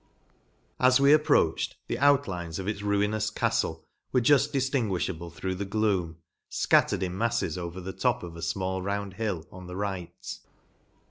As we approached, the outlines of its ruinous caftle were juft diftinguifhable through the gloom, fcattered in mafies over the top of a fmall round hill, on the right.